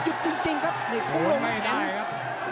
จับได้แล้วนะครับไปเสียหลักไปเองโดน